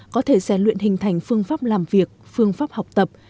có thể rèn luyện hình thành phương pháp làm việc phương pháp học tập